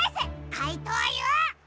かいとうＵ！